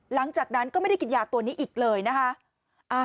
หลังจากนั้นก็ไม่ได้กินยาตัวนี้อีกเลยนะคะ